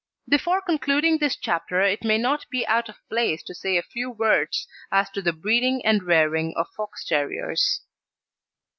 Before concluding this chapter it may not be out of place to say a few words as to the breeding and rearing of Fox terriers.